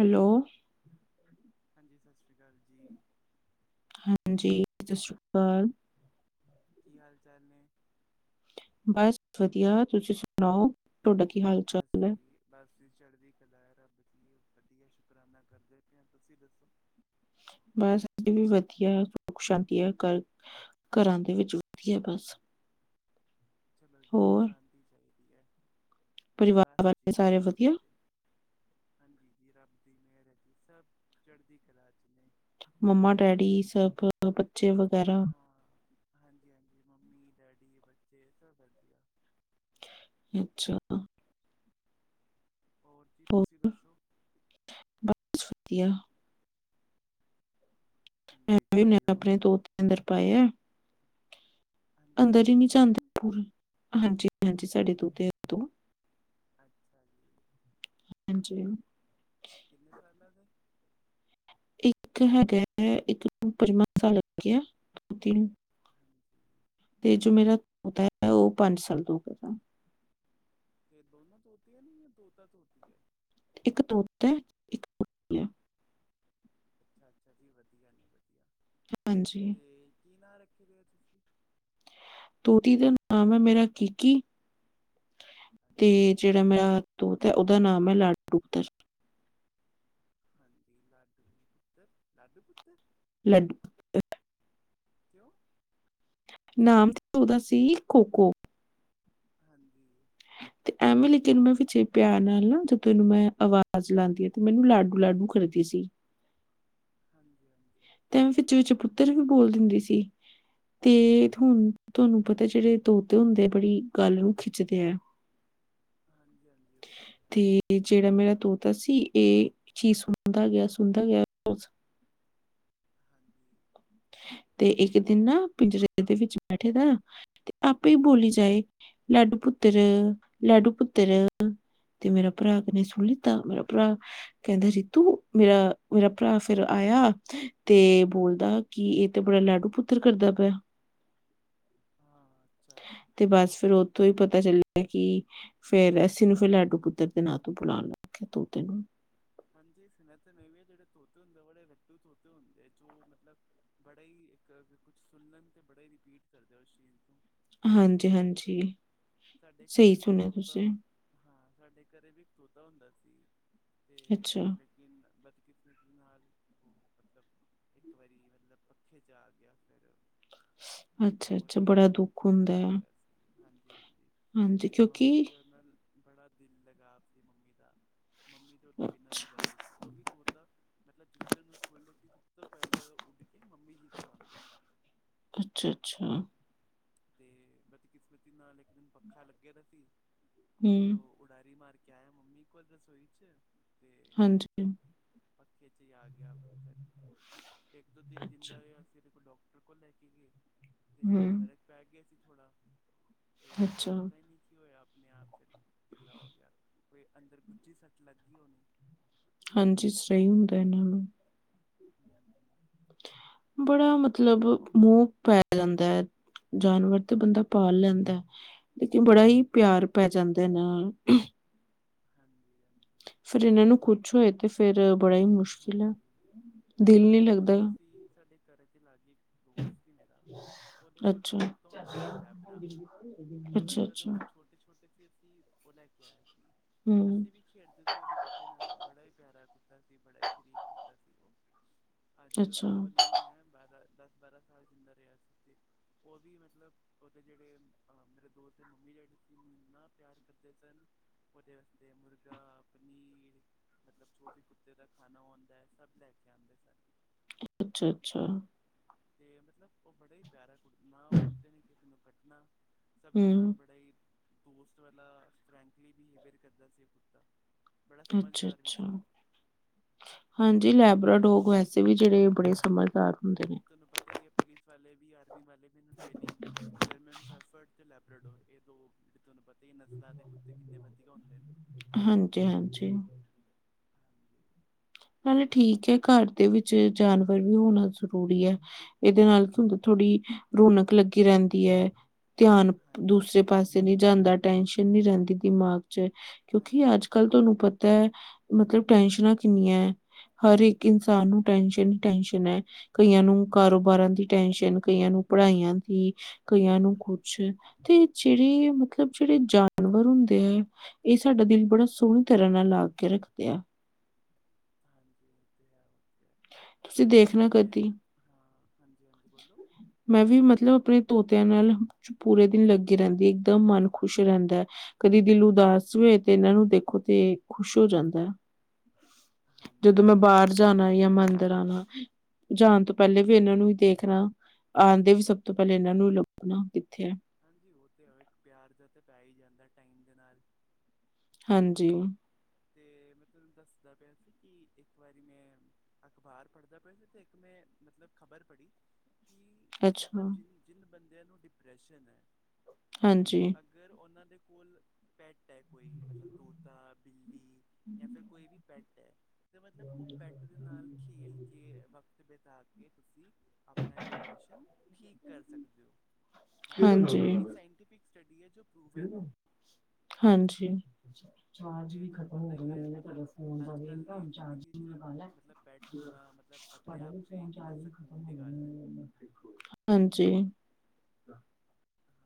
Hello ਹਾਂਜੀ ਸਤਿ ਸ੍ਰੀ ਅਕਾਲ ਜੀ ਹਾਂਜੀ ਸਤਿ ਸ੍ਰੀ ਅਕਾਲ ਕੀ ਹਾਲ ਚਾਲ ਨੇ ਬਸ ਵਧੀਆ ਤੁਸੀਂ ਸੁਣਾਓ ਤੁਹਾਡਾ ਕੀ ਹਾਲ- ਬਸ ਚਾਲ ਨੇ ਜੀ ਬਸ ਚੜ੍ਹਦੀ ਕਲਾ, ਰੱਬ ਦੀ ਵਧੀਆ ਸ਼ੁਕਰਾਨਾ ਕਰਦੇ ਪਏ ਤੁਸੀਂ ਦੱਸੋ ਬਸ ਅ ਵੀ ਵਧੀਆ ਸੁੱਖ ਸ਼ਾਂਤੀ ਆ ਕਰ ਘਰਾਂ ਦੇ ਵਿੱਚ ਹੁੰਦੀ ਆ ਬਸ ਚਲੋ ਜੀ ਸੁਖ ਹੋਰ ਸ਼ਾਂਤੀ ਚਾਹੀਦੀ ਹੈ। ਪਰਿਵਾਰ ਬਸ ਵਾਲੇ ਜੀ ਸਾਰੇ ਵਧੀਆ? ਬੈਠੇ ਤੇ ਹਾਂਜੀ ਜੀ। ਰੱਬ ਦੀ ਮਿਹਰ ਹੈ ਜੀ ਸਭ ਚੜ੍ਹਦੀ ਕਲਾ ਚ' ਨੇ। ਮੰਮਾ- ਤੁਸੀਂ ਡੈਡੀ ਦੱਸੋ ਸਭ ਬੱਚੇ ਵਗੈਰਾ ਹਾਂ ਹਾਂਜੀ- ਹਾਂਜੀ। ਮੰਮੀ- ਡੈਡੀ, ਬੱਚੇ ਸਭ ਕਰਦੀ ਆ। ਅੱਛਾ। ਹੋਰ ਜੀ, ਤੁਸੀਂ ਦੱਸੋ? ਬਸ ਵਧੀਆ। ਮੈ ਹਾਂਜੀ ਜੀ ਆਪਣੇ ਕੱਪਤੇ ਹੋਰ ਧੋ ਕੇ ਅੰਦਰ ਪਾਏ ਆ। ਹਾਂਜੀ ਅੰਦਰ ਤੁਹਾਡੇ ਹੀ ਕੋਲ ਨਹੀਂ ਤੋਤੇ ਜਾਂਦੇ ਨੇ ਕੋਈ। ਹਾਜੀ- ਹਾਂਜੀ ਸਾਡੇ ਤੋਤੇ ਤੋਂ - ਅੱਛਾ ਜੀ। ਹਾਂਜੀ। ਕਿੰਨੇ ਸਾਲਾਂ ਦੇ। ਇੱਕ ਹੈਗਾ ਹੈ ਇੱਕ ਪੰਜਵਾਂ ਸਾਲ ਗਿਆ। ਤੀਨ ਹਾਂਜੀ। ਤੇ ਜੋ ਮੇਰਾ ਤੋਤਾ ਹੈ ਉਹ ਪੰਜ ਸਾਲ ਤੋਂ ਹੋ ਗਿਆ। ਤੇ ਦੋਨਾਂ ਤੋਂ ਤੋਤਾ ਹੈ ਨ ਜਾਂ ਤੋਤਾ ਤੋਂ ਤੋਂਤੀ ਹੈ। ਇੱਕ ਤੋਤਾਂ ਹੈ ਇੱਕ ਤੋਤੀ। ਅੱਛਾ- ਅੱਛਾ। ਜੀ ਵਧੀਆ ਨੇ ਵਧੀਆ। ਹਾਂਜੀ, ਤੇ ਕੀ ਨਾਂ ਰੱਖੇ ਫੇਰ ਤੁਸੀਂ। ਤੋਤੀ ਦਾ ਨਾਮ ਹੈ ਮੇਰਾ ਕਿਕੀ ਤੇ ਹਾਂਜੀ ਜੀ ਜਿਹੜਾ ਮੇਰਾ ਤੋਤਾ ਹੈ ਉਹਦਾ ਨਾਮ ਹੈ ਲਾਡੂ। ਹਾਂਜੀ। ਲਾਡੂ ਪੁੱਤਰ, ਲਾਡੂ ਪੁੱਤਰ। ਲੱਡੂ। ਕਿਂਉ ਨਾਮ ਤੇ ਉਹਦਾ ਸੀ ਖੋ- ਖੋ। ਹਾਂਜੀ। ਤੇ ਐਵੇਂ ਲੇਕਿਨ ਮੈਂ ਪਿੱਛੇ ਪਿਆਰ ਨਾਲ ਨਾ ਜਦੋਂ ਇਹਨੂੰ ਮੈਂ ਆਵਾਜ਼ ਲਾਉਂਦੀ ਆ। ਤੇ ਮੈਨੂੰ ਲਾਡੂ, - ਲਾਡੂ ਕਰਦੀ ਸੀ। ਹਾਂਜੀ- ਹਾਂਜੀ। ਤੇਵੇ ਵਿੱਚ- ਵਿੱਚ ਪੁੱਤਰ ਵੀ ਬੋਲ ਦਿੰਦੀ ਸੀ। ਤੇ ਹਣ ਤੁਹਾਨੂੰ ਪਤਾ ਜਿਹੜੇ ਤੋਤੇ ਹੁੰਦੇ ਆ ਬੜੀ ਗੱਲ ਨੂੰ ਖਿੱਚਦੇ ਹੈ। [inaudible] ਹਾਂਜੀ-ਹਾਂਜੀ। ਉਹ ਤੇ ਹੈ। ਤੇ ਜਿਹੜਾ ਮੇਰਾ ਤੋਤਾ ਸੀ ਇਹ ਚੀਜ਼ ਸੁਣਦਾ ਗਿਆ, ਸੁਣਦਾ ਗਿਆ। ਹਾਂਜੀ। ਤੇ ਇੱਕ ਦਿਨ ਨਾ, ਪਿੰਜਰੇ ਦੇ ਵਿੱਚ ਬੈਠੇ ਦਾ। ਤੇ ਆਪੇ ਹੀ ਬੋਲੀ ਜਾਏ। ਲਾਡੂ ਪੁੱਤਰ, ਲਾਡੂ ਪੁੱਤਰ ਤੇ ਮੇਰਾ ਭਰਾ ਕ ਸੁਣੀ ਲਿੱਤਾ। ਮੇਰਾ ਭਰਾ ਕਹਿੰਦਾ ਰੀਤੂ ਮੇਰਾ ਮੇਰਾ ਭਰਾ ਫੇਿਰ ਆਇਆ। ਤੇ ਬੋਲਦਾ ਕੀ ਇਹ ਤੇ ਬੜਾ ਲਾਡੂ ਪੁੱਤਰ ਕਰਦਾ ਪਿਆ। ਹਾਂ, ਅੱਛਾ। ਤੇ ਬਸ, ਫਿਰ ਉੱਥੋਂ ਹੀ ਪਤਾ ਚੱਲਿਆ ਕਿ ਫੇਰ ਅੱਸੀ ਨੂੰ ਫਿਰ ਲਾਡੂ ਪੁੱਤਰ ਦੇ ਨਾਂ ਤੋਂ ਬੁਲਾਉਣ ਲੱਗ ਗਿਆ ਤੋਤੇ ਨੂੰ। ਹਾਂਜੀ ਸੁਨ ਤਾਂ ਮ ਵੀ ਜਿਹੜੇ ਤੋਤੇ ਹੁੰਦੇ ਬੜੇ ਰੋ, ਤੋਤੇ ਹੁੰਦੇ ਆ। ਜੋ ਮਤਲਬ ਬੜਾ ਹੀ ਇੱਕ ਕੁਛ ਸੁਣਣ ਤੇ ਬੜਾ ਹੀ ਰਿਪੀਟ ਕਰਦੇ ਉਸ ਚੀਜ਼ ਨੂੰ। ਹਾਂਜੀ- ਹਾਂਜੀ। ਸਾਡੇ ਘਰੇ ਸਹੀ ਵੀ ਇੱਕ ਸੁਣਿਆ ਤੋਤਾ ਤੁਸੀਂ ਹਾਂ, ਸਾਡੇ ਘਰੇ ਵੀ ਇੱਕ ਤੋਤਾ ਹੁੰਦਾ ਸੀ। ਤੇ ਅੱਛਾ ਕ ਬਦਕਿਸਮਤ ਦੇ ਨਾਲ ਉਹ ਮਤਲਬ ਇੱਕ ਵਾਰੀ ਮਤਲਬ ਪੱਖੇ ਚ' ਆ ਗਿਆ। ਫਿਰ ਅੱਛਾ ਉਹ ਅੱਛਾ ਵੀ ਬੜਾ ਦੁੱਖ ਹੁੰਦਾ ਮਰ ਹੈ ਗਿਆ ਸੀ। ਹਾਂਜੀ- ਹਾਂਜੀ। ਹਾਂਜੀ ਮੇਰੀ ਮੰਮੀ ਕਿਉਂਕਿ ਤੇ ਓਦ ਨਾਲ ਬੜਾ ਦਿਲ ਲਗਾਵ ਸੀ ਮੰਮੀ ਦਾ, ਮੰਮੀ ਤੇ ਓਦੇ ਬਿਨਾਂ ਨੀ ਰੈਂਦੀ ਸੀ, ਓ ਵੀ ਤੋਤਾ ਮਤਲਬ ਜਿਸ ਦਿਨ ਨੂੰ ਖੋਲੇ ਸੀ ਸਬ ਤੋ ਪੈਲੇ ਓ ਉਡ ਕਿ ਮੰਮੀ ਜੀ ਕੋਲ ਆਂਦਾ ਸੀ। ਅੱਛਾ ਅੱਛਾ ਤੇ ਬਦਕਿਸਮਤੀ ਨਾਲ ਇੱਕ ਦਿਨ ਪੱਖਾ ਲਗੇਆ ਦਾ ਸੀ ਹੂੰ ਓ ਉਡਾਰੀ ਮਾਰ ਕੇ ਆਏਆ ਮੰਮੀ ਕੋਲ ਰਸੋਈ ਚ ਤੇ ਹਾਂਜੀ, ਮਤਬ ਪੱਖੇ ਚੇ ਆ ਗੇਆ ਫੇਰ, ਏਕ ਦੋ ਦਿਨ ਅੱਛਾ, ਜਿੰਦਾ ਰੇਆ ਅਸੀ ਓਦੇ ਕੋਲ ਡਾ ਟਰ ਕੋਲ ਲੈ ਕੇ ਗਏ, ਤੇ ਹੂੰ, ਫ਼ਰਕ ਪੈ ਗੇਆ ਸੀ ਥੋੜਾ ਤੇ ਫੇਰ ਅੱਛਾ, ਪਤਾ ਈ ਨੀ ਕੀ ਹੋਏਆ ਅਪਨੇ ਆਪ ਫੇਰ ਟਿੱਲਾ ਹੋ ਗੇਆ, ਕੋਈ ਅੰਦਰ ਗੁੱਜੀ ਸੱਟ ਲਾਗੀ ਹੋਨੀ। ਹਾਂਜੀ, ਸਈ ਹੁੰਦੈ ਐਨਾਂ ਨੂੰ। ਹੂੰ। ਬੜਾ ਮਤਲਬ ਮੂੰਹ ਪੈ ਜਾਂਦੈ। ਜਾਨਵਰ ਤੇ ਬੰਦਾ ਪਾਲ ਲੈਂਦੇ ਲੇਕਿਨ ਬੜਾ ਹੀ ਪੇਆਰ ਪੈ ਜਾਂਦੇ ਨਾ। ਹਾਂਜੀ, ਹਾਂਜੀ। ਫਿਰ ਇਨਾਂ ਨੂੰ ਤੇ ਕੁੱਛ ਹੋਏ ਤੇ, ਫੇਰ ਬੜਾ ਈ ਮੁਸ਼ਕਿਲ ਹੈ, ਦਿਲ ਨੀ ਲਗਦਾ। ਵੀਰ ਸਾਡੇ ਘਰੇ ਦੇ ਲਾਗੇ ਇਕ ਦੋਸਤ ਸੀ ਮੇਰਾ ਓਦੇ ਕੋਲੋਂ ਅੱਛਾ, ਕੁੱਤਾ ਹੁੰਦਾ ਸੀ ਲੈਬਰਾ, ਮਤਲਬ ਅੱਛਾ, ਜਦੋਂ ਅੱਛਾ, ਓ ਛੋਟੇ-ਛੋਟੇ ਤੇ ਫਿ ਅਸੀ ਓ ਲੈ ਕੇ ਆਏ ਸੀ, ਤੇ ਹੂੰ, ਅਸੀ ਵੀ ਖੇਡਦੇ ਸੀ ਓਦੇ ਕੁੱਤੇ ਨਾਲ, ਬੜਾ ਈ ਪੇਆਰਾ ਕੁੱਤਾ ਸੀ, ਬੜਾ ਈ ਸ਼ਰੀਫ ਕੁੱਤਾ ਸੀ ਓ। ਅੱਜ ਅੱਛਾ, ਮਤਲਬ ਨਹੀਂ ਹੈ ਬਾਰਾਂ, ਦੱਸ-ਬਾਰਾਂ ਸਾਲ ਜਿੰਦਾ ਰੇਆ ਸੀ ਉਥੇ, ਓ ਵੀ ਮਤਲਬ ਓਦੇ ਜੇੜੇ ਅ ਮੇਰੇ ਦੋਸਤ ਮੰਮੀ ਡੇਡੀ ਸੀ ਉਨੂੰ ਇੰਨਾ ਪੇਆਰ ਕਰਦੇ ਸਨ। ਓਦੇ ਅਸਤੇ ਮੁਰਗਾ, ਪਨੀਰ ਮਤਲਬ ਜੋ ਵੀ ਕੁਤ ਤੇ ਦਾ ਖਾਨਾ ਹੁੰਦੈ, ਸਬ ਲੈ ਕੇ ਆਂਦੇ ਸਨ। ਅੱਛਾ, ਅੱਛਾ। ਤੇ ਮਤਲਬ ਓ ਬੜਾ ਈ ਪੇਆਰਾ ਕੁੜ, ਨਾ ਓ ਕੁੱਤੇ ਨੇ ਕਿਸੀ ਨੂੰ ਕੱਟਨਾ ਸਬ ਦੇ ਨਾਲ ਹੂੰ, ਬੜਾ ਈ, ਦੋਸਤ ਵਾਲਾ, ਫਰੈਂਕਲੀ ਬਿਹੇਵੀਅਰ ਕਰਦਾ ਸੀ ਓ ਕੁੱਤਾ। ਬੜਾ ਅੱਛਾ, ਸਮਝਦਾਰ ਵੀ ਅੱਛਾ, ਸੀ। ਹਾਂਜੀ ਲੈਬਰਾ ਡੋਗ ਵੈਸੇ ਵੀ ਜੇੜੇ ਬੜੇ ਸਮਜ ਹਾਂਜੀ ਤੂਆਨੂੰ ਪਤਾ ਈ ਐ ਪੁਲਿਸ ਵਾਲੇ ਵੀ, ਆਰਮੀ ਵਾਲੇ ਵੀ, ਐਨੂ ਟ੍ਰੇਨਿਗ ਜਰਮਨ ਸੈਫਰਡ ਤੇ ਲੈਬ ਰਾਡੋਰ ਏ ਦੋ, ਜੇੜੇ ਤੂਆਨੂੰ ਪਤਾ ਈ ਏ, ਨਸਲਾਂ ਦੇ ਕੁੱਤੇ ਕਿੰਨੇ ਵਦੀਆ ਹੁੰਦੇ ਨੇ। ਹਾਂਜੀ, ਹਾਂਜੀ। ਚੱਲੋ ਠੀਕ ਹੈ, ਘਾਰ ਦੇ ਵਿੱਚ ਜਾਨਵਰ ਵੀ ਹੋਨਾ ਜ਼ਰੂਰੀ ਐ। ਏਦੇ ਨਾਲ ਤੂਂਦ ਥੋੜੀ ਰੌਨਕ ਲੱਗੀ ਰੈਂਦੀ ਐ। ਧੇਆਨ ਦੂਸਰੇ ਹਾਂਜੀ ਹਾਂਜੀ ਪਾਸੇ ਨੀ ਜਾਂਦਾ, ਟੈਨਸ਼ਨ ਨੀ ਰੈਂਦੀ ਦਿਮਾਗ ਕਿਉਂਕਿ ਹਾਂਜੀ ਅਜ-ਕਲ ਤੂਆਨੂੰ ਪਤਾ ਐ, ਮਤਲਬ ਟੈਨਸ਼ਨਾਂ ਕਿੰਨੀਐ ਹਰ ਇੱਕ ਇਨਸਾਨ ਨੂੰ ਟੈਨਸ਼ਨ ਈ ਟੈਨਸ਼ਨ ਐ। ਕਈਆਂ ਨੂੰ ਕਾਰੋਬਾਰਾਂ ਦੀ ਟੈਨਸ਼ਨ, ਕਈਆਂ ਨੂੰ ਪੜਾਈਆਂ ਦੀ, ਕਈਆਂ ਨੂੰ ਹਾਂਜੀ ਕੁੱਛ ਉਹ ਹੈ ਤੇ ਜੇੜੇ ਮਤਲਬ ਜੇੜੇ ਜਾਨਵਰ ਹੁੰਦੇ ਐ ਏ ਸਾਡਾ ਦਿਲ ਬੜਾ ਸੋਣੀ ਤਰਾਂ ਨਾਲ ਲਾ ਕੇ ਰੱਖਦੇ ਆ। ਹਾਂਜੀ, ਓ ਤੇ ਹੈ, ਓ ਤੇ ਹੈ, ਤੇ ਤੁਸੀਂ ਤੂਆਨੂੰ ਦੇਖਣਾ ਪਤੈ ਮੈਂ ਕਦੀ ਹਾਂ ਹਾਂਜੀ, ਹਾਂਜੀ ਬੋਲੋ। ਮੈਂ ਵੀ ਮਤਲਬ ਅਪਨੇ ਤੋਤੇਆਂ ਨਾਲ ਪੂਰੇ ਦਿਨ ਲੱਗੀ ਰੈਂਦੀ, ਇੱਕਦਮ ਮਨ ਖੁਸ਼ ਰੈਂਦੈ। ਕਦੀ ਦਿਲ ਉਦਾਸ ਹੋਵੇ ਤੇ ਏਨਾਂ ਨੂੰ ਦੇਖੋ ਤੇ ਖ਼ੁਸ਼ ਹੋ ਜਾਂਦੈ। ਹਾਂਜੀ ਜਦੋਂ ਉਹ ਮੈਂ ਤੇ ਬਾਰ ਹੈ ਜਾਨਾ ਯਾ ਮੈਂ ਅਂਦਰ ਆਨਾ, ਜਾਨ ਤੋ ਪੈਲੇ ਵੀ ਏਨਾਂ ਨੂੰ ਈ ਦੇਖ ਦੇਖਨਾ, ਆਂਦੇ ਵੀ ਸਬ ਤੋ ਪੈਲੇ ਇਨਾਂ ਨੂੰ ਲਬਨਾ ਕਿੱਥੇ ਐ। ਹਾਂਜੀ ਓ ਤੇ ਹੈ, ਇਕ ਪੇਆਰ ਜਾ ਤੇ ਪੈ ਈ ਜਾਂਦੈ ਟਾਈਮ ਦੇ ਨਾਲ। ਹਾਂਜੀ। ਤੇ, ਮੈਂ ਤੁਹਾਨੂੰ ਦੱਸਦਾ ਪਿਆ ਸੀ, ਕਿ ਇੱਕ ਵਾਰੀ ਮੈਂ ਅਖ਼ਬਾਰ ਪੜ੍ਹਦਾ ਪਿਆ ਸੀ, ਤੇ ਇੱਕ ਮੈਂ, ਮਤਲਬ ਖ਼ਬਰ ਪੜ੍ਹੀ ਕਿ ਅੱਛਾ ਮਤਲਬ, ਜਿਨ -ਜਿਨ ਬੰਦਿਆਂ ਨੂੰ ਡਿਪਰੈਸ਼ਨ ਹੈ। ਹਾਂਜੀ, ਅਗਰ, ਉਹਨਾਂ ਦੇ ਕੋਲ, ਪੈੱਟ ਹੈ ਕੋਈ, ਮਤਲਬ ਤੋਤਾ ਬਿੱ, ਜਾਂ, ਫਿਰ ਕੋਈ ਵੀ ਪੈੱਟ ਹੈ, ਤੇ ਮਤਲਬ ਉਹ ਪੈੱਟ ਦੇ ਨਾਲ ਖੇਲ ਕੇ ਵਕ ਤ, ਬਿਤਾ ਕੇ, ਤੁਸੀਂ ਆਪਣਾ ਡਿਪਰੈਸ਼ਨ, ਠੀਕ ਕਰ ਸਕਦੇ ਹੋ। ਮਤਲਬ, ਹਾਂਜੀ ਇਹ ਸਾਇੰਟੀਫਿਕ ਸਟੱਡੀ ਹੈ, ਜੋ ਪ੍ਰੂਵਨ ਹੈ ਹਾਂਜੀ। ਚਾਰਜ ਤੇ ਵੀ ਤੁਹਾਨੂੰ ਖਤਮ ਪਤਾ ਹੋ ਹੀ ਹੈ ਜਾਣਾ, ਮਤਲਬ ਤੁਹਾਡਾ ਫੋਨ ਅੱਜ ਕੱਲ ਦੀ ਜ਼ਿੰਦਗੀ [unintelligible] ਮਤਲਬ, ਪੈੱਟ ਹੋਣਾ ਮਤਲਬ, ਆਪਣੇ ਆਪ ਚ ਹੀ, ਕਿੰਨਾ ਸਕੂਨ ਦੀ ਗੱਲ ਹੈ। ਹਾਂਜੀ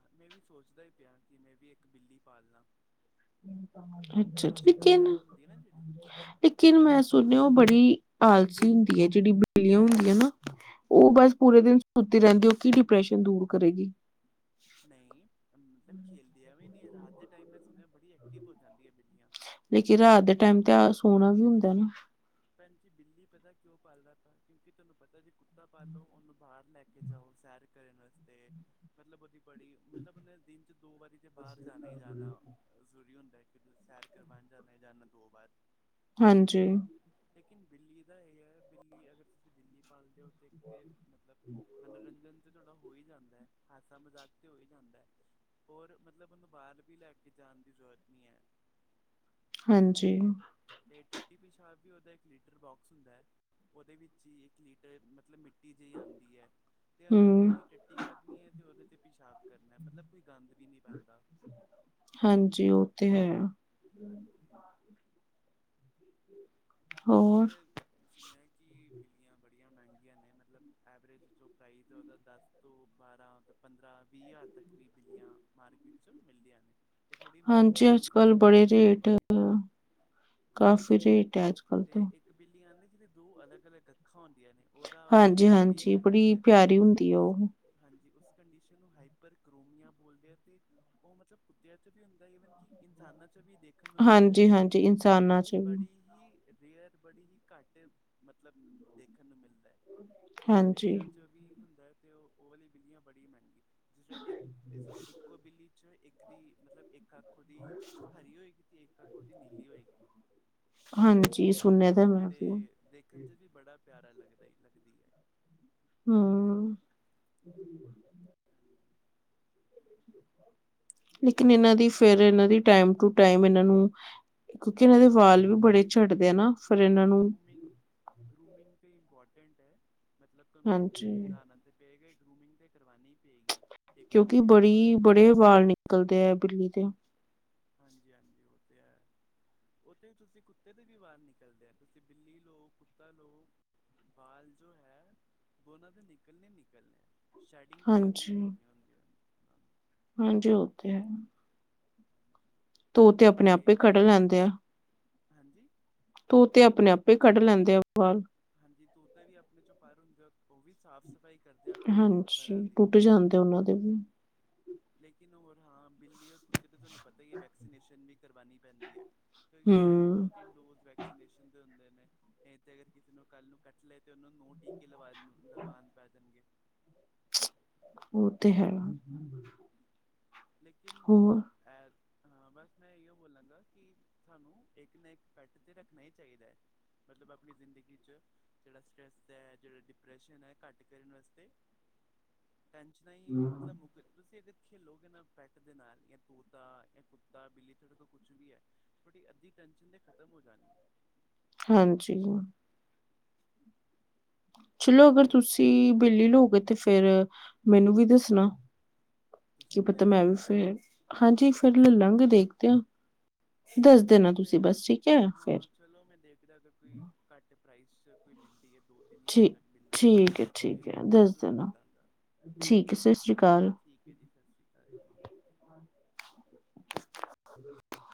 ਹਾਂ, ਮੈਂ ਵੀ ਸੋਚਦਾ ਈ ਪਿਆਂ, ਕਿ ਮੈਂ ਵੀ, ਇੱਕ ਬਿੱਲੀ ਪਾਲ, ਲਾਂ। ਅੱਛਾ ਅੱਛਾ। ਪਰਸ਼ੀਅਨ, ਲੇਕਿਨ ਕੈਟ ਹੁੰਦੀ ਹੈ ਨਾ, ਜਿਹੜੀ। ਲੇਕਿਨ, ਮੈਂ ਸੁਣਿਆ, ਉਹ ਬੜੀ ਆਲਸੀ ਹੁੰਦੀ ਹੈ, ਜਿਹੜੀ ਬਿੱਲੀਆਂ ਹੁੰਦੀ ਹੈ, ਨਾ। ਉਹ ਬਸ, ਪੂਰੇ ਦਿਨ ਸੁੱਤੀ ਰਹਿੰਦੀ, ਉਹ ਕੀ ਡਿਪਰੈਸ਼ਨ ਦੂਰ ਕਰੇਗੀ? ਨਹੀਂ, ਮਤਲਬ ਖੇਲਦੀਆਂ ਵੀ ਨੇ, ਰਾਤ ਦੇ ਟਾਈਮ ਮੈੰ, ਸੁਣਿਆ ਬੜੀ ਐਕਟਿਵ ਹੋ ਜਾਂਦੀ ਹੈ ਬਿੱਲੀਆਂ। ਲੇਕਿਨ, ਰਾਤ ਦੇ ਟਾਈਮ ਤੇ ਸੌਣਾ ਵੀ ਹੁੰਦਾ ਨਾ। ਭੈਣ ਜੀ, ਬਿੱਲੀ ਪਤਾ ਕਿਉਂ ਪਾਲਦੇ ਆਪਾਂ? ਕਿਉਂਕਿ ਤੁਹਾਨੂੰ ਪਤਾ, ਜੇ ਕੁੱਤਾ ਪਾਲੋ, ਉਹਨੂੰ ਬਾਹਰ ਲੈ ਕੇ, ਕੇ ਜਾਓ, ਸੈਰ ਕਰਨ ਵਾਸਤੇ ਮਤਲਬ ਉਹਦੀ ਬੜੀ ਮਤਲਬ, ਉਹਨੇ ਦਿਨ ਚ ਦੋ ਵਾਰੀ ਤੇ, ਬਾਹਰ ਜਾਣਾ ਹੀ ਜਾਣਾ। ਜ਼ਰੂਰੀ ਹੁੰਦਾ, ਕਿ ਤੁਸੀ, ਸੈਰ ਕਰਵਾਉਣ ਜਾਣਾ, ਹੀ ਜਾਣਾ ਦੋ ਵਾਰ ਹਾਂਜੀ ਲੇਕਿਨ, ਬਿੱਲੀ ਦਾ ਇਹ ਹੈ, ਬਿੱਲੀ, ਅਗਰ ਤੁਸੀਂ ਬਿੱਲੀ ਪਾਲਦੇ ਹੋ। ਤੇ, ਤੇ ਮਤਲਬ ਮਨੋਰੰਜਨ ਤੇ ਤੁਹਾਡਾ ਹੋ, ਹੀ ਜਾਂਦਾ, ਹਾਸਾ ਮਜ਼ਾਕ ਤੇ ਹੋ, ਹੀ ਜਾਂਦਾ। ਔਰ, ਮਤਲਬ ਉਹਨੂੰ ਬਾਹਰ ਵੀ ਲੈ ਕੇ, ਜਾਣ ਦੀ ਜ਼ਰੂਰਤ ਨਹੀਂ ਹੈ। ਹਾਂਜੀ ਤੇ, ਟੱਟੀ- ਪਿਸ਼ਾਬ ਵੀ, ਉਹਦਾ ਇੱਕ ਲੀਟਰ ਬਾਕਸ ਹੁੰਦਾ ਹੈ। ਉਹਦੇ ਵਿੱਚ ਹੀ, ਇੱਕ ਲੀਟਰ ਮਤਲਬ ਮਿੱਟੀ, ਜਿਹੀ ਆਉਂਦੀ ਹੈ। ਤੇ, ਉਹਨੇ ਉਹਦੇ ਹੂੰ ਤੇ ਟੱਟੀ ਕਰਨੀ ਹੈ, ਤੇ ਉਹਦੇ ਤੇ ਪਿਸ਼ਾਬ ਕਰਨਾ ਮਤਲਬ ਕੋਈ ਗੰਦ ਵੀ ਨਹੀਂ ਪੈਂਦਾ। ਹਾਂਜੀ, ਉਹ ਤੇ ਹੈ। ਹਾਂਜੀ। ਲੇਕਿਨ ਹੋਰ ਮੈਂ ਸੁਣਿਆ, ਕਿ ਬਿੱਲੀਆਂ ਬੜੀਆਂ ਮਹਿੰਗੀਆਂ ਨੇ, ਮਤਲਬ ਐਵਰੇਜ ਜੋ ਪ੍ਰਾਈਜ਼, ਉਹਦਾ ਦਸ ਤੋਂ ਬਾਰਾਂ, ਪੰਦਰਾਂ ਵੀਹ ਹਜ਼ਾਰ ਤੱਕ ਵੀ ਬਿੱਲੀਆਂ ਮਾਰਕੀਟ ਚੋਂ, ਮਿਲਦੀਆਂ ਨੇ। ਇਹ ਥੋੜ੍ਹੀ, ਮਹਿੰਗੀ ਹਾਂਜੀ ਅੱਜ ਹੁੰਦੀ ਹੈ, ਕੱਲ ਬੜੇ ਨਸਲ ਦੀ ਰੇਟ ਬਿੱਲੀਆਂ, ਹਾਂਜੀ, ਠੀਕ ਹੈ, [unintelligible] ਤੇ ਇੱਕ, ਬਿੱਲੀ ਆਉਂਦੀ ਜਿਹਦੇ ਦੋ ਅਲੱਗ- ਅਲੱਗ ਅੱਖਾਂ, ਹੁੰਦੀਆਂ ਨੇ। ਉਹਦਾ, ਉਹ ਹਾਂਜੀ ਤੇ ਬੜੀ ਹਾਂਜੀ ਮਹਿੰਗੀ ਹੈ। ਪਿਆਰੀ ਹੁੰਦੀ ਆ ਉਸ ਉਹ ਹਾਂਜੀ, ਉਸ ਕੰਡੀਸ਼ਨ ਨੂੰ, ਹਾਈਪਰ ਕ੍ਰੋਮੀਆ ਬੋਲਦੇ ਆ ਤੇ ਉਹ ਮਤਲਬ, ਕੁੱਤਿਆਂ ਚ ਵੀ ਹੁੰਦਾ, ਈਵਨ ਕਿ ਇਨਸਾਨਾਂ ਵਿਚ ਵੀ ਦੇਖ ਦੇਖਣ ਨੂੰ, ਮਿਲਦਾ ਉਹ ਹਾਂਜੀ ਹਾਂਜੀ ਕੰਡੀਸ਼ਨ, ਇਨਸਾਨਾਂ ਚ ਲੇਕਿਨ ਵੀ ਬੜੀ ਹੀ ਰੇਅਰ, ਬੜੀ ਹੀ ਘੱਟ, ਮਤਲਬ ਦੇਖਣ ਨੂੰ ਮਿਲਦਾ ਹੈ। ਤੇ ਹਾਂਜੀ ਬਿੱਲੀਆਂ ਵਿੱਚ ਵੀ ਹੁੰਦਾ ਹੈ, ਤੇ ਉਹ ਵਾਲੀ ਬਿੱਲੀਆਂ, ਬੜੀ ਮਹਿੰਗੀ ਜਿਸ ਵਿੱਚ ਇੱਕ, ਜਿਸ ਵਿੱਚ ਇੱਕ ਇਕੋ ਬਿੱਲੀ ਵਿਚ, ਇੱਕ ਦੀ ਮਤਲਬ, ਇੱਕ ਅੱਖ ਉਹਦੀ ਹਰੀ ਹੋਏਗੀ, ਤੇ ਇੱਕ ਅੱਖ ਉਹਦੀ ਨੀਲੀ ਹੋਏਗੀ। ਹਾਂਜੀ ਸੁਣਿਆ ਦਾ ਮੈੰ ਤੇ, ਦੇਖਣ ਚ ਵੀ ਬੜਾ ਪਿਆਰਾ ਲੱਗਦਾ, ਲੱਗਦੀ ਹੈ। ਹਮ, [unintelligible] ਲੇਕਿਨ, ਇਹਨਾਂ ਦੀ ਫੇਿਰ ਇਹਨਾਂ ਦੀ ਟਾਈਮ ਟੂ ਟਾਈਮ, ਇਹਨਾਂ ਨੂੰ, ਕਿਉਂਕਿ ਇਹਨਾਂ ਦੇ ਵਾਲ ਵੀ ਬੜੇ ਹਾਂਜੀ- ਝੜਦੇ ਆ ਨਾ ਫਿਰ ਇਹਨਾਂ ਹਾਂਜੀ, ਨੂੰ ਗਰੂਮਿੰਗ ਗਰੂਮਿੰਗ ਤੇ ਇੰਪੋਰਟੈਂਟ ਹੈ, ਮਤਲਬ ਤੁਹਾਨੂੰ ਹਾਂਜੀ ਜ਼ਿਆਦਾ ਤੇ ਪਏ ਗੇ ਗਰੂਮਿੰਗ ਤੇ ਕਰਵੀ ਪਏਗੀ। ਇੱਕ ਦੋ ਕਿਉਂਕਿ ਮਹੀਨੇ ਬਾਅਦ ਤੇ ਬੜੀ-ਬੜੇ ਵਾਲ ਨਿਕਲਦੇ ਹੈ ਬਿੱਲੀ ਦੇ ਹਾਂਜੀ-ਹਾਂਜੀ ਉਹ ਤੇ ਹੈ। ਉੱਥੇ ਤੁਸੀਂ ਕੁੱਤੇ ਦੇ ਵੀ ਵਾਲ ਨਿਕਲਦੇ ਆ, ਤੁਸੀਂ ਬਿੱਲੀ ਲਓ, ਕੁੱਤਾ ਲਓ। ਵਾਲ ਜੋ ਹੈ ਉਹਨਾਂ ਦੇ ਨਿਕਲਣੇ- ਨਿਕਲਣੇ ਹੈ। ਸ਼ੈਡਿੰਗ ਤੇ ਕਰਨੀ ਹੀ ਹਾਂਜੀ, ਕਰਨੀ ਹੁੰਦੀਆਂ ਹਾਂ। ਹਾਂਜੀ ਉਹ ਤਾਂ ਹੈ। ਹਾਂਜੀ ਉਹ ਤੇ ਆਪਣੇ-ਆਪੇ ਇਹਨਾਂ ਖੜੇ ਦੀ ਰਹਂਦੇ ਆ। ਹਾਂਜੀ ਤੋਤੇ, ਆਪਣੇ-ਆਪੇ ਹੀ ਕੱਢ ਲੈਂਦੇ ਆ ਵਾਲ। ਹਾਂਜੀ, ਤੋਤੇ ਵੀ ਆਪਣੇ ਚੋਂ ਪਰ ਹੁੰਦੇ ਆ, ਉਹ ਵੀ ਸਾਫ਼- ਸਫ਼ਾਈ ਕਰਦੇ ਆ, ਆਪਣੀ ਪਰਾ ਹਾਂਜੀ ਦੀ। ਟੁੱਟ ਜਾਂਦੇ, ਉਹਨਾਂ ਦੇ ਵੀ। ਲੇਕਿਨ ਹੋਰ, ਹਾਂ ਬਿੱਲੀ ਔਰ ਕੁੱਤੇ ਤੇ ਤੁਹਾਨੂੰ ਪਤਾ ਹੀ ਹੈ ਵੈਕਸੀਨੇਸ਼ਨ ਵੀ ਕਰਵਾਣੀ ਪੈਂਦੀ ਹੈ। ਇਹ ਉ, ਹੂੰ ਤਿੰਨ-ਦੋ-ਤਿੰਨ ਡੋਜ਼ ਵੈਕਸੀਨੇਸ਼ਨ ਦੇ ਹੁੰਦੇ ਨੇ, ਤੇ ਅਗਰ ਕਿਸੇ ਨੂੰ ਕੱਲ ਨੂੰ ਕਟ ਲਏ ਤੇ, ਉਹਨੂੰ ਨੂੰਹ ਟੀਕੇ ਲਵਾ-ਲਵਾਉਣ ਪੈ ਜਾਣਗੇ। ਉਹ ਤੇ ਹੈ। ਲੇਕਿਨ, ਹੋਰ ਬਸ ਮੈਂ ਇਹੋ ਬੋਲਾਂਗਾ ਕਿ ਸਾਨੂੰ, ਇੱਕ ਨਾ ਇੱਕ ਪੈੱਟ ਤੇ ਰੱਖਣਾ ਹੀ ਚਾਹੀਦਾ ਹੈ, ਮਤਲਬ ਆਪਣੀ ਜ਼ਿੰਦਗੀ ਚ। ਜਿਹੜਾ ਸਟਰੈੱਸ ਹੈ, ਜਿਹੜਾ ਡਿਪਰੈਸ਼ਨ ਹੈ, ਘੱਟ ਕਰਨ ਵਾਸਤੇ। [inaudible] ਟੈਂਸ਼ਨਾਂ ਹੀ ਮਤਲਬ ਮੁੱਕ, ਤੁਸੀਂ ਅਗਰ ਖੇਲੋਗੇ ਨਾ ਪੈਟ ਦੇ ਨਾਲ, ਜਾਂ ਤੋਤਾ ਜਾਂ ਕੁੱਤਾ ਬਿੱਲੀ ਤੁਹਾਡੇ ਕੋ ਕੁੱਛ ਵੀ ਹੈ। ਥੋੜ੍ਹੀ ਅੱਧੀ ਟੈਨਸ਼ਨ ਤੇ ਖਤਮ ਹੋ ਜਾਣੀ ਹੈ। ਹਾਂਜੀ। ਚਲੋ ਅਗਰ ਤੇ ਤੁਸੀਂ ਬਿੱਲੀ ਲਓਗੇ ਤੇ ਫੇਰ ਮੈਨੂੰ ਵੀ ਦੱਸਣਾ, ਕੀ ਤੁਸੀਂ ਪਤਾ ਲੈਣੀ ਮੈਂ ਹੈ ਵੀ ਬਿੱਲੀ ਫਿਰ ਹਾਂਜੀ, ਫਿਰ ਲੈ ਲਵਾਂਗੇ ਦੇਖਦੇ ਹਾ, ਦੱਸ ਦੇਣਾ ਚਲੋ ਮੈਂ ਤੁਸੀਂ ਬਸ ਠੀਕ ਹੈ ਫੇਰ। ਹਾਂ ਚਲੋ ਮੈਂ ਦੇਖਦਾ ਅਗਰ ਕੋਈ ਘੱਟ ਪ੍ਰਾਈਜ਼ ਚ ਕੋਈ ਮਿਲਦੀ ਹੈ ਦੋ ਤਿੰਨ ਹਜ਼ਾਰ ਠੀਕ ਤੱਕ ਬਿੱਲੀ ਠੀਕ ਹੈ ਤੇ ਠੀਕ ਹੈ ਮੈਂ ਤੁਹਨੂੰ ਦੱਸ ਦੇਣਾ ਦਾਂਗਾ। ਠੀਕ ਹੈ ਸਤਿ ਸ਼੍ਰੀ ਹਾਂਜੀ ਜੀ, ਅਕਾਲ ਠੀਕ ਹੈ ਜੀ ਸਤਿ ਸ੍ਰੀ ਅਕਾਲ ਜੀ। ਹ [unintelligible]